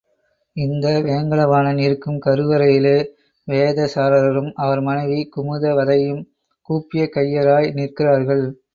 இந்த வேங்கடவாணன் இருக்கும் கருவறையிலே வேதசாரரும், அவர் மனைவி குமுதவதையும் கூப்பிய கையராய் நிற்கிறார்கள்.